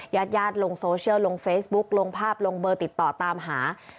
ญาติญาติลงโซเชียลลงเฟซบุ๊กลงภาพลงเบอร์ติดต่อตามหา